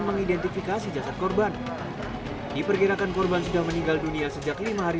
mengidentifikasi jasad korban diperkirakan korban sudah meninggal dunia sejak lima hari